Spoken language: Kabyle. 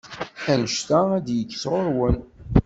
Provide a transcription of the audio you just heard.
Anect-a ad d-yekk sɣur-wen.